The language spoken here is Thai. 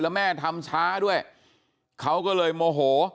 แล้วแม่ทำช้าด้วยเขาก็เลยโมโห